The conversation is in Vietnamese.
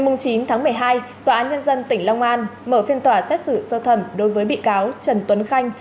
ngày chín tháng một mươi hai tòa án nhân dân tỉnh long an mở phiên tòa xét xử sơ thẩm đối với bị cáo trần tuấn khanh